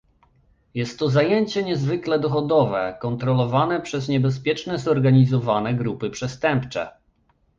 Jest to zajęcie niezwykle dochodowe, kontrolowane przez niebezpieczne zorganizowane grupy przestępcze